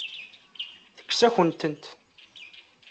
Tekkes-akent-tent.